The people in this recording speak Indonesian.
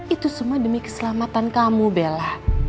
itu semua demi keselamatan kamu bella